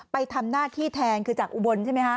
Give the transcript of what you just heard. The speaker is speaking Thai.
ไปทำหน้าที่แทนคือจากอุบลใช่ไหมคะ